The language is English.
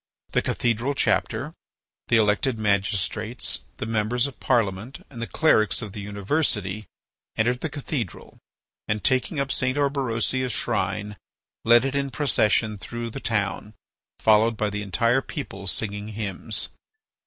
The cathedral chapter, the elected magistrates, the members of Parliament, and the clerics of the University entered the Cathedral and, taking up St. Orberosia's shrine, led it in procession through the town, followed by the entire people singing hymns.